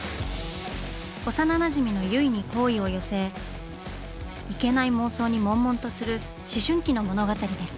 幼なじみの結衣に好意を寄せいけない妄想に悶々とする思春期の物語です。